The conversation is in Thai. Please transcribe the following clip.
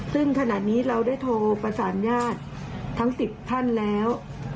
ซึ่งขณะนี้เราได้โทรประสานญาติทั้ง๑๐ท่านแล้ว